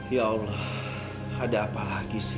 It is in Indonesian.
ya allah ada apa lagi sih